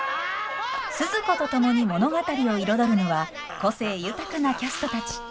スズ子と共に物語を彩るのは個性豊かなキャストたち。